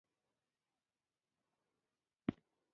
چيچنيايان، جرمنيان، ازبکان، انګريزان او يهود شته.